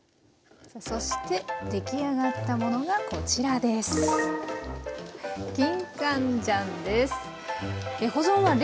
そして出来上がったものがこちらです。